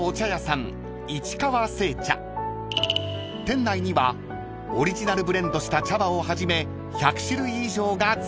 ［店内にはオリジナルブレンドした茶葉をはじめ１００種類以上がずらり］